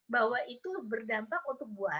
bahwa itu berdampak untuk buah